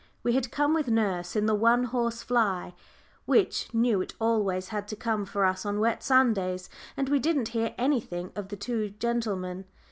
We had come with nurse in the one horse fly, which knew it always had to come for us on wet Sundays, and we didn't hear anything of the two gentlemen.